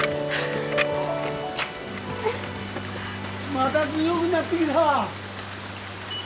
まだ強ぐなってきた。